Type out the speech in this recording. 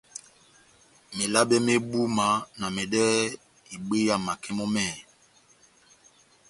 Melabɛ mé búma na mɛdɛ́hɛ́ ibwéya makɛ mɔ́ mɛ́hɛ́pi.